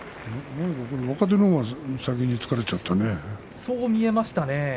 若手のほうが先に疲れちゃったね。